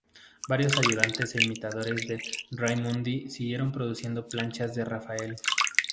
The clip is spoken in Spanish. Varios ayudantes e imitadores de Raimondi siguieron produciendo planchas de Rafael.